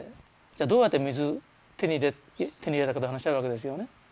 じゃあどうやって水手に入れたかっていう話があるわけですよね。